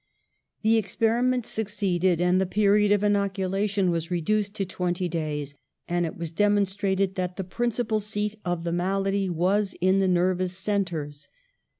^ The experiment succeeded, and the period of • inoculation was reduced to twenty days, and it was demonstrated that the principal seat of the malady was in the nervous centres.